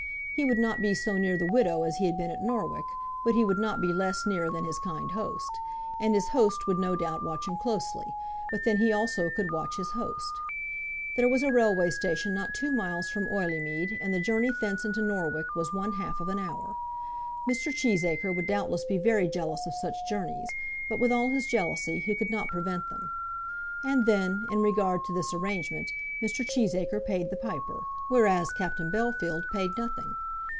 He would not be so near the widow as he had been at Norwich, but he would not be less near than his kind host. And his host would no doubt watch him closely; but then he also could watch his host. There was a railway station not two miles from Oileymead, and the journey thence into Norwich was one of half an hour. Mr. Cheesacre would doubtless be very jealous of such journeys, but with all his jealousy he could not prevent them. And then, in regard to this arrangement, Mr. Cheesacre paid the piper, whereas Captain Bellfield paid nothing.